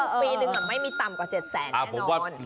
ปีหนึ่งมันไม่มีต่ำกว่า๗แสนแน่นอน